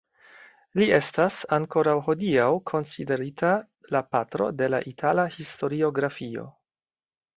Li estas ankoraŭ hodiaŭ konsiderita la patro de la itala historiografio.